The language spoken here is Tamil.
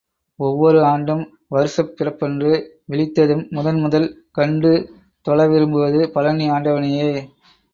ஒவ்வொரு ஆண்டும் வருஷப் பிறப்பன்று விழித்ததும் முதன் முதல் கண்டு தொழ விரும்புவது பழநி ஆண்டவனையே.